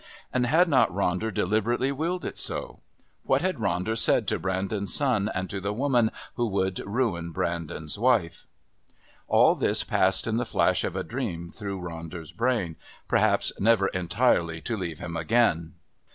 And had not Ronder deliberately willed it so? What had Ronder said to Brandon's son and to the woman who would ruin Brandon's wife? All this passed in the flash of a dream through Ronder's brain, perhaps never entirely to leave him again.